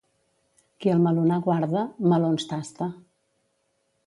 Qui el melonar guarda, melons tasta.